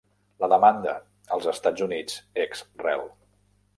La demanda, els Estats Units ex rel.